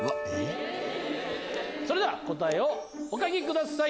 それでは答えをお書きください。